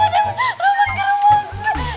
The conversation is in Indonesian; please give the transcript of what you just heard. roman ke rumah gue